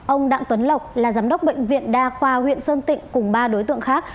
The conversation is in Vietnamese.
ông đặng tuấn lộc là giám đốc bệnh viện đa khoa huyện sơn tịnh cùng ba đối tượng khác